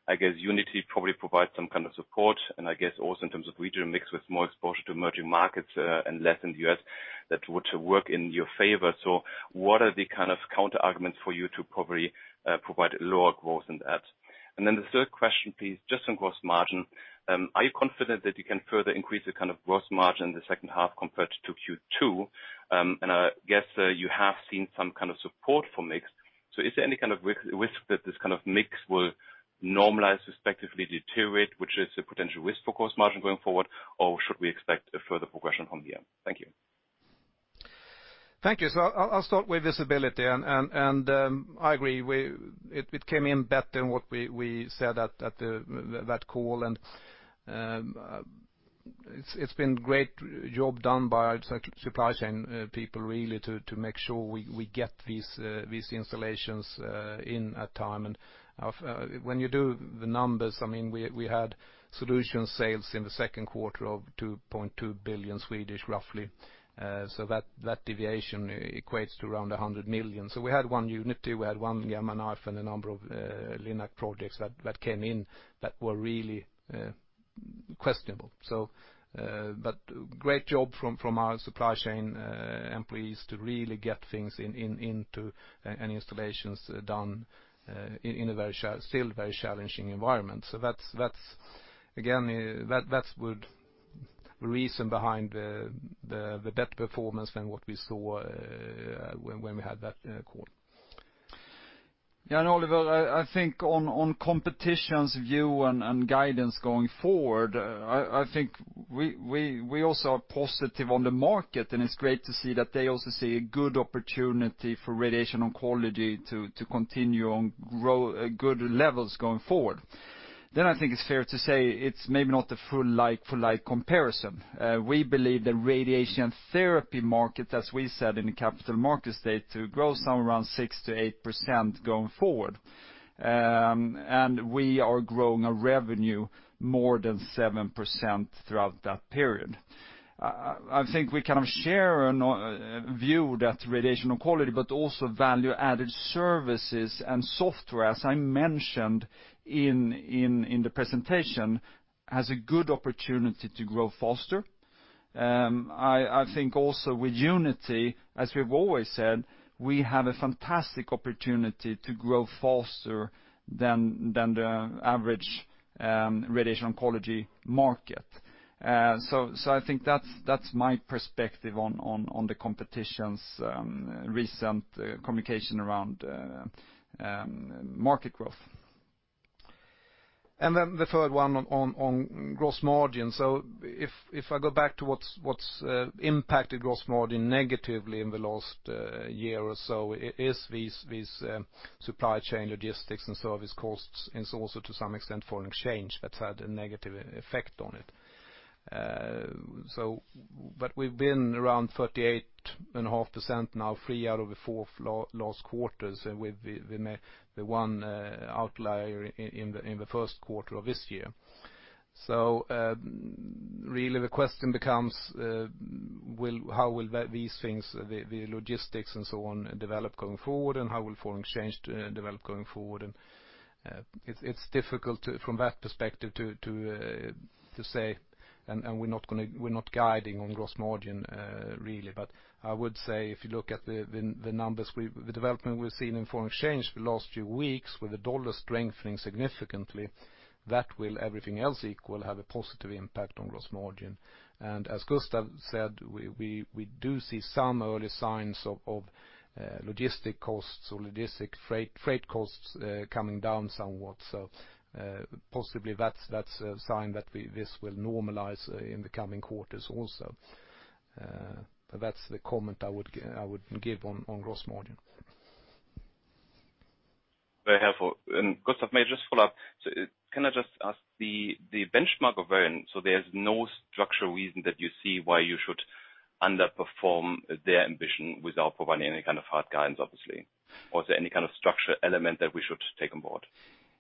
I guess Unity probably provides some kind of support, and I guess also in terms of regional mix with more exposure to emerging markets, and less in the U.S. that would work in your favor. What are the kind of counterarguments for you to probably provide lower growth than that? Then the third question, please, just on gross margin, are you confident that you can further increase the kind of gross margin in the second half compared to Q2? I guess you have seen some kind of support for mix. Is there any kind of risk that this kind of mix will normalize, respectively deteriorate, which is a potential risk for gross margin going forward? Or should we expect a further progression from here? Thank you. Thank you. I'll start with visibility and I agree, it came in better than what we said at that call and it's been great job done by our supply chain people really to make sure we get these installations in on time. When you do the numbers, I mean, we had solution sales in the Q2 of 2.2 billion roughly. That deviation equates to around 100 million. We had one Unity, we had one Gamma Knife and a number of LINAC projects that came in that were really questionable. Great job from our supply chain employees to really get things into and installations done in a still very challenging environment. That's again good reason behind the better performance than what we saw when we had that call. Oliver, I think on competition's view and guidance going forward, I think we also are positive on the market, and it's great to see that they also see a good opportunity for radiation oncology to continue to grow good levels going forward. I think it's fair to say it's maybe not a full like-for-like comparison. We believe the radiation therapy market, as we said in the Capital Markets Day, to grow somewhere around 6%-8% going forward. We are growing our revenue more than 7% throughout that period. I think we kind of share a view that radiation oncology, but also value-added services and software, as I mentioned in the presentation, has a good opportunity to grow faster. I think also with Unity, as we've always said, we have a fantastic opportunity to grow faster than the average radiation oncology market. I think that's my perspective on the competition's recent communication around market growth. Then the third one on gross margin. If I go back to what's impacted gross margin negatively in the last year or so, it is these supply chain logistics and service costs, and it's also to some extent foreign exchange that's had a negative effect on it. But we've been around 38.5% now, 3 out of the 4 last quarters with the one outlier in the Q1 of this year. Really the question becomes, how will these things, the logistics and so on, develop going forward, and how will foreign exchange develop going forward? It's difficult to, from that perspective, to say, and we're not guiding on gross margin really. I would say if you look at the development we've seen in foreign exchange the last few weeks with the dollar strengthening significantly, that will, everything else equal, have a positive impact on gross margin. As Gustaf Salford said, we do see some early signs of logistics costs or logistics freight costs coming down somewhat. Possibly that's a sign that this will normalize in the coming quarters also. But that's the comment I would give on gross margin. Very helpful. Gustaf, may I just follow up? Can I just ask the benchmark of Varian, so there's no structural reason that you see why you should underperform their ambition without providing any kind of hard guidance, obviously. Was there any kind of structural element that we should take on board?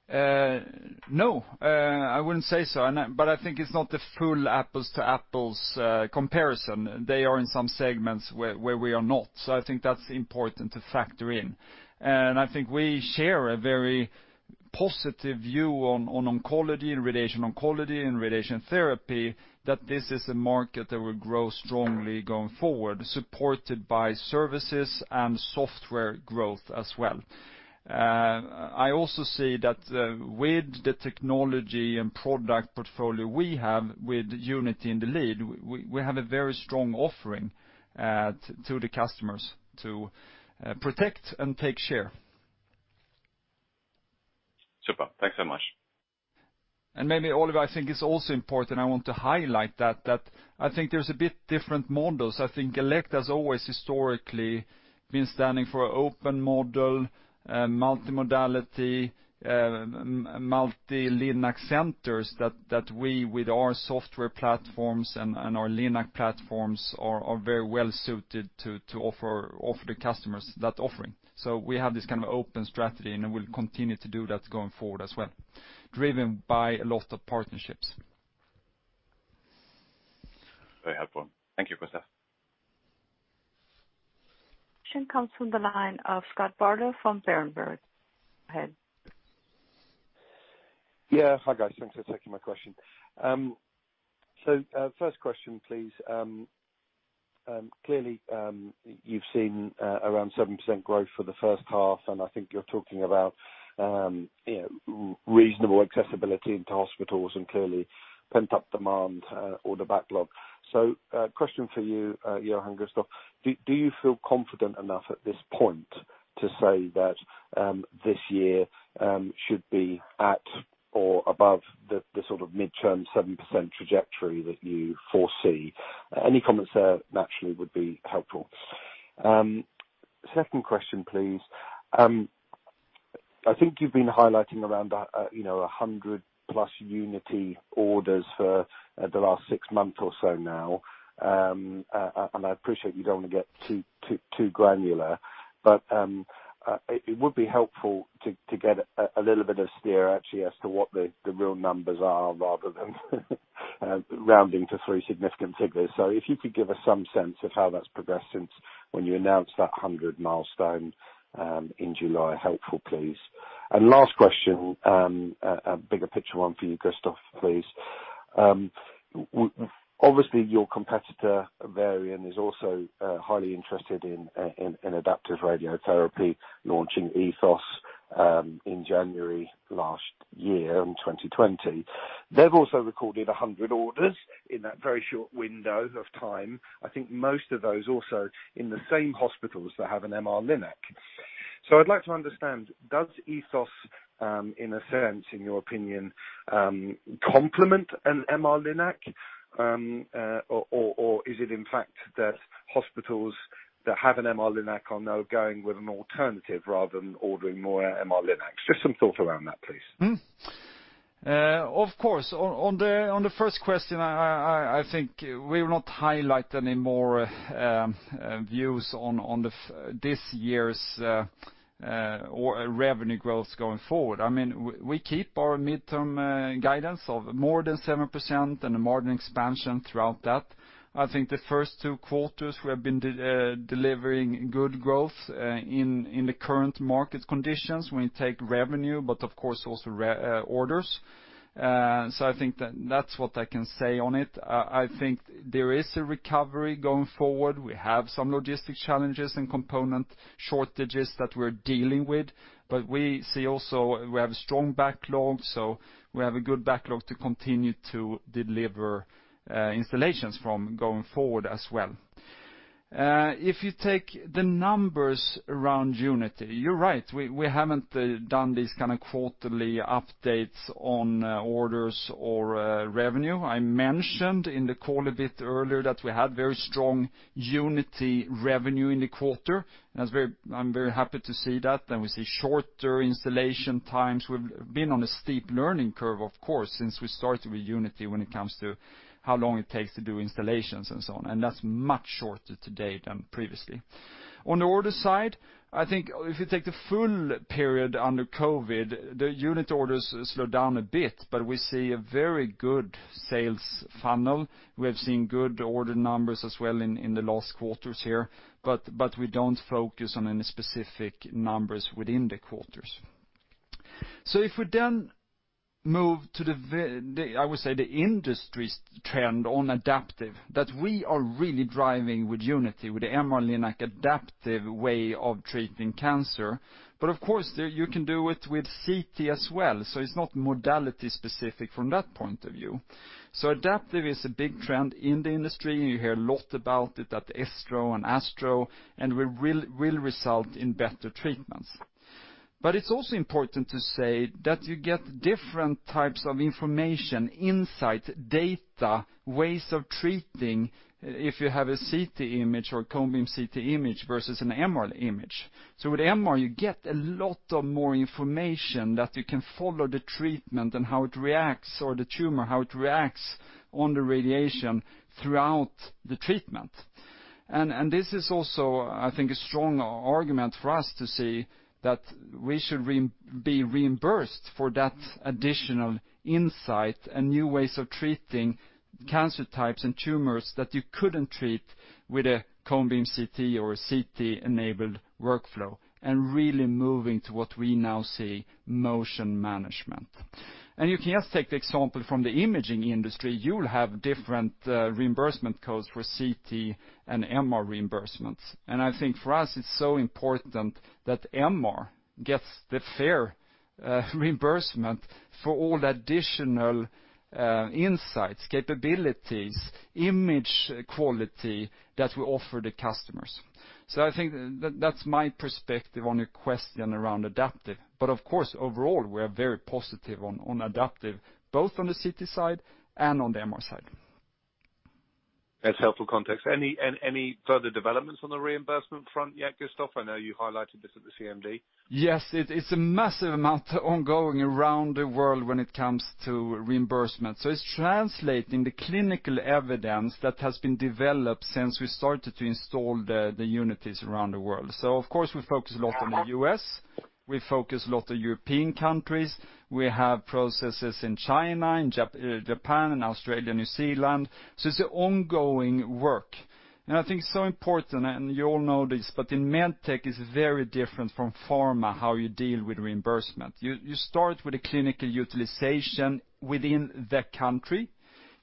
No, I wouldn't say so. I think it's not the full apples to apples comparison. They are in some segments where we are not. I think that's important to factor in. I think we share a very positive view on oncology and radiation oncology and radiation therapy, that this is a market that will grow strongly going forward, supported by services and software growth as well. I also see that with the technology and product portfolio we have with Unity in the lead, we have a very strong offering to the customers to protect and take share. Super. Thanks so much. Maybe Oliver, I think it's also important. I want to highlight that I think there's a bit different models. I think Elekta has always historically been standing for open model, multimodality, multi-LINAC centers that we with our software platforms and our LINAC platforms are very well suited to offer the customers that offering. We have this kind of open strategy, and we'll continue to do that going forward as well, driven by a lot of partnerships. Very helpful. Thank you, Gustaf. Question comes from the line of Scott Bardo from Berenberg. Go ahead. Yeah. Hi, guys. Thanks for taking my question. First question, please. Clearly, you've seen around 7% growth for the first half, and I think you're talking about, you know, reasonable accessibility into hospitals and clearly pent-up demand or the backlog. Question for you, Johan and Gustaf, do you feel confident enough at this point to say that this year should be at or above the sort of midterm 7% trajectory that you foresee. Any comments there naturally would be helpful. Second question, please. I think you've been highlighting around, you know, 100-plus Unity orders for the last six months or so now. I appreciate you don't wanna get too granular, but it would be helpful to get a little bit of steer actually as to what the real numbers are rather than rounding to three significant figures. If you could give us some sense of how that's progressed since when you announced that 100 milestone in July, helpful, please. Last question, a bigger picture one for you, Gustaf, please. Obviously, your competitor Varian is also highly interested in adaptive radiotherapy launching Ethos in January last year in 2020. They've also recorded 100 orders in that very short window of time. I think most of those also in the same hospitals that have an MR-Linac. I'd like to understand, does Ethos, in a sense, in your opinion, or is it in fact that hospitals that have an MR-Linac are now going with an alternative rather than ordering more MR-Linacs? Just some thought around that, please. Of course. On the first question, I think we will not highlight any more views on this year's or revenue growth going forward. I mean, we keep our midterm guidance of more than 7% and the margin expansion throughout that. I think the first two quarters we have been delivering good growth in the current market conditions when we take revenue, but of course also orders. I think that's what I can say on it. I think there is a recovery going forward. We have some logistic challenges and component shortages that we're dealing with, but we see also we have strong backlogs, so we have a good backlog to continue to deliver installations going forward as well. If you take the numbers around Unity, you're right. We haven't done these kinda quarterly updates on orders or revenue. I mentioned in the call a bit earlier that we had very strong Unity revenue in the quarter, and I'm very happy to see that. We see shorter installation times. We've been on a steep learning curve, of course, since we started with Unity when it comes to how long it takes to do installations and so on, and that's much shorter today than previously. On the order side, I think if you take the full period under COVID, the unit orders slowed down a bit, but we see a very good sales funnel. We have seen good order numbers as well in the last quarters here, but we don't focus on any specific numbers within the quarters. If we then move to the, I would say, the industry's trend on adaptive, that we are really driving with Unity, with the MR-Linac adaptive way of treating cancer. Of course there you can do it with CT as well, so it's not modality specific from that point of view. Adaptive is a big trend in the industry. You hear a lot about it at ESTRO and ASTRO, and will really result in better treatments. It's also important to say that you get different types of information, insight, data, ways of treating if you have a CT image or a Cone-beam CT image versus an MR image. With MR, you get a lot more information that you can follow the treatment and how it reacts, or the tumor, how it reacts on the radiation throughout the treatment. This is also, I think, a strong argument for us to see that we should be reimbursed for that additional insight and new ways of treating cancer types and tumors that you couldn't treat with a Cone-beam CT or a CT-enabled workflow, and really moving to what we now see motion management. You can just take the example from the imaging industry. You'll have different reimbursement codes for CT and MR reimbursements. I think for us it's so important that MR gets the fair reimbursement for all the additional insights, capabilities, image quality that we offer the customers. I think that's my perspective on your question around adaptive. Of course, overall, we are very positive on adaptive, both on the CT side and on the MR side. That's helpful context. Any further developments on the reimbursement front yet, Gustaf? I know you highlighted this at the CMD. Yes, it's a massive amount ongoing around the world when it comes to reimbursement. It's translating the clinical evidence that has been developed since we started to install the Unities around the world. Of course, we focus a lot on the U.S., we focus a lot on European countries. We have processes in China, in Japan, in Australia, New Zealand, so it's ongoing work. I think it's so important, and you all know this, but in med tech it's very different from pharma, how you deal with reimbursement. You start with a clinical utilization within the country.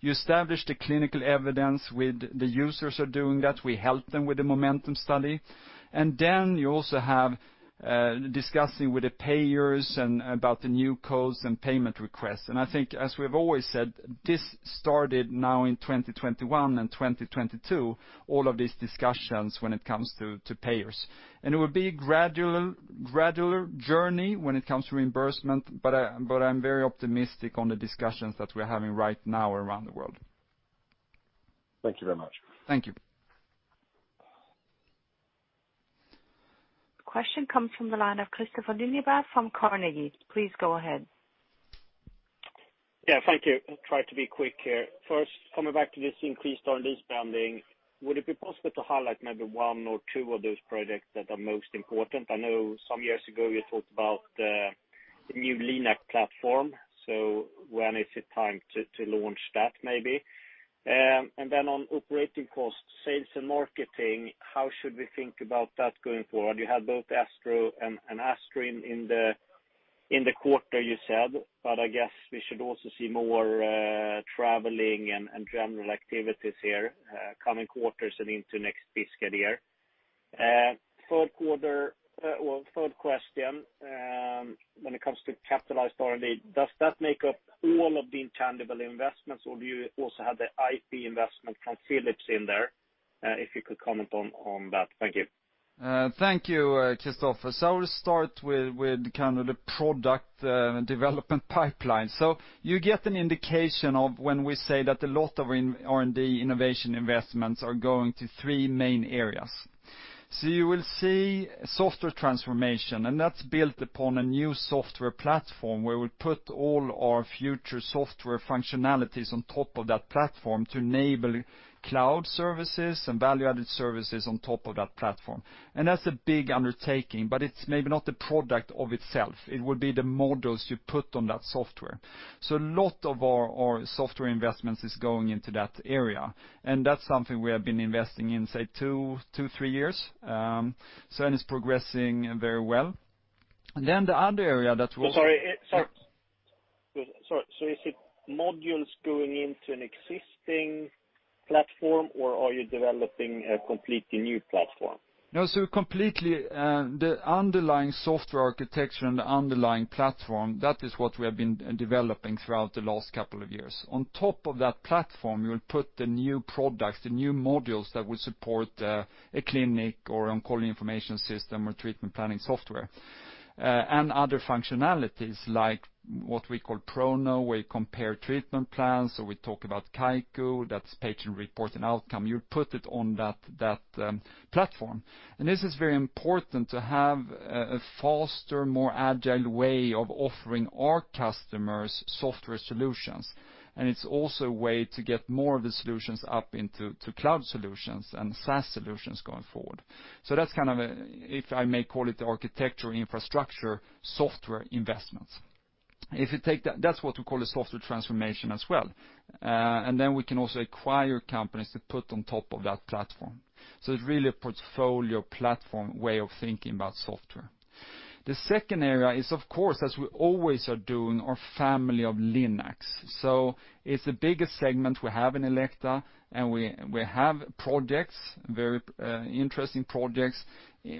You establish the clinical evidence with the users are doing that. We help them with the MOMENTUM study. Then you also have discussions with the payers and about the new codes and payment requests. I think, as we have always said, this started now in 2021 and 2022, all of these discussions when it comes to payers. It will be a gradual journey when it comes to reimbursement, but I'm very optimistic on the discussions that we're having right now around the world. Thank you very much. Thank you. Comes from the line of Kristofer Liljeberg from Carnegie. Please go ahead. Yeah, thank you. I'll try to be quick here. First, coming back to this increased R&D spending, would it be possible to highlight maybe one or two of those projects that are most important? I know some years ago you talked about the new LINAC platform. So when is it time to launch that maybe? And then on operating costs, sales and marketing, how should we think about that going forward? You had both ASTRO and ESTRO in the quarter you said, but I guess we should also see more traveling and general activities here coming quarters and into next fiscal year. Well, third question, when it comes to capitalized R&D, does that make up all of the intangible investments or do you also have the IP investment from Philips in there? If you could comment on that. Thank you. Thank you, Kristofer. I will start with kind of the product development pipeline. You get an indication of when we say that a lot of in R&D innovation investments are going to three main areas. You will see software transformation, and that's built upon a new software platform where we'll put all our future software functionalities on top of that platform to enable cloud services and value-added services on top of that platform. That's a big undertaking, but it's maybe not the product of itself. It will be the models you put on that software. A lot of our software investments is going into that area. That's something we have been investing in, say, two to three years. It's progressing very well. The other area that we'll- Sorry, is it modules going into an existing platform or are you developing a completely new platform? No, completely, the underlying software architecture and the underlying platform, that is what we have been developing throughout the last couple of years. On top of that platform, you'll put the new products, the new modules that will support a clinic or on-call information system or treatment planning software, and other functionalities like what we call ProKnow, where you compare treatment plans or we talk about Kaiku, that's patient reporting outcome. You put it on that platform. This is very important to have a faster, more agile way of offering our customers software solutions. It's also a way to get more of the solutions up into the cloud solutions and SaaS solutions going forward. That's kind of, if I may call it, the architecture infrastructure software investments. If you take that's what we call a software transformation as well. We can also acquire companies to put on top of that platform. It's really a portfolio platform way of thinking about software. The second area is of course, as we always are doing our family of LINACs. It's the biggest segment we have in Elekta, and we have projects, very interesting projects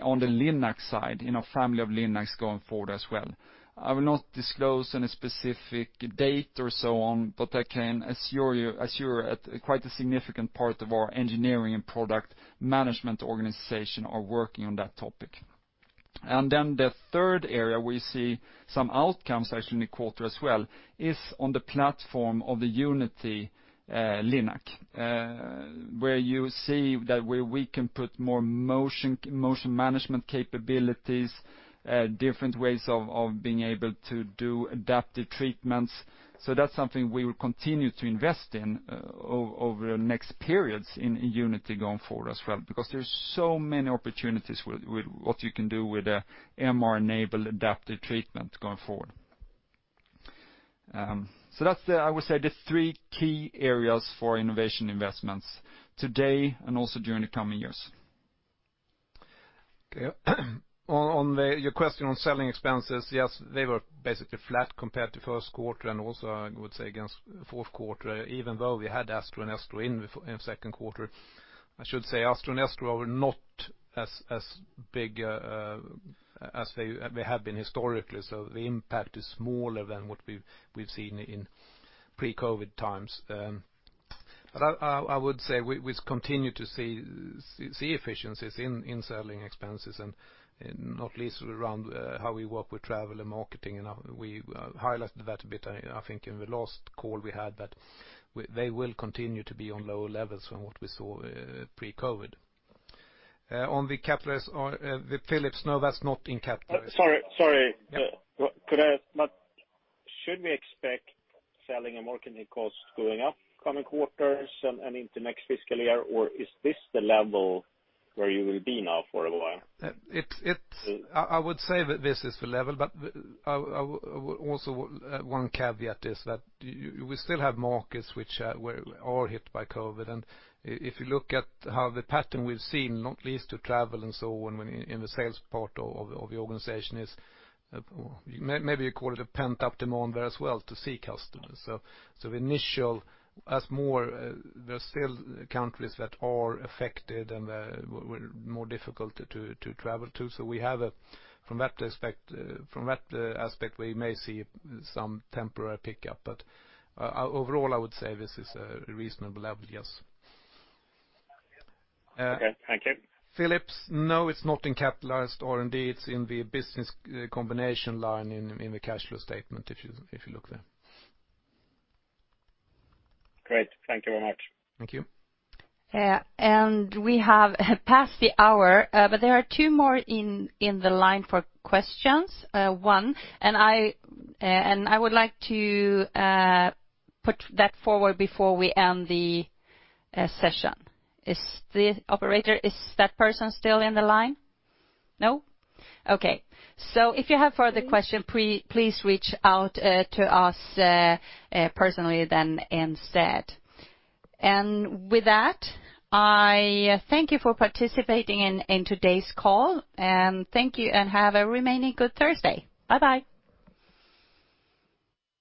on the LINAC side, in our family of LINACs going forward as well. I will not disclose any specific date or so on, but I can assure you that quite a significant part of our engineering and product management organization are working on that topic. The third area we see some outcomes actually in the quarter as well is on the platform of the Unity LINAC, where you see that we can put more motion management capabilities, different ways of being able to do adaptive treatments. That's something we will continue to invest in over the next periods in Unity going forward as well, because there's so many opportunities with what you can do with a MR-enabled adaptive treatment going forward. That's the, I would say, three key areas for innovation investments today and also during the coming years. On your question on selling expenses, yes, they were basically flat compared to Q1 and also I would say against Q4, even though we had ASTRO and ESTRO in the Q2. I should say ASTRO and ESTRO are not as big as they have been historically. So the impact is smaller than what we've seen in pre-COVID times. But I would say we continue to see efficiencies in selling expenses and not least around how we work with travel and marketing and we highlighted that a bit, I think in the last call we had that they will continue to be on lower levels than what we saw pre-COVID. On the capitalized, on the Philips, no, that's not in capitalized. Should we expect selling and marketing costs going up coming quarters and into next fiscal year? Or is this the level where you will be now for a while? I would say that this is the level, but one caveat is that we still have markets which are hit by COVID. If you look at how the pattern we've seen, not least the travel and so on within the sales part of the organization, maybe you call it a pent-up demand there as well to see customers. The initial, as more, there are still countries that are affected and were more difficult to travel to. From that respect, from that aspect, we may see some temporary pickup. Overall, I would say this is a reasonable level, yes. Okay, thank you. Philips, no, it's not in capitalized R&D, it's in the business combination line in the cash flow statement if you look there. Great. Thank you very much. Thank you. Yeah. We have passed the hour, but there are two more in the line for questions, one, and I would like to put that forward before we end the session. Is the operator, is that person still in the line? No? Okay. If you have further question, please reach out to us personally then instead. With that, I thank you for participating in today's call, and thank you and have a remaining good Thursday. Bye-bye.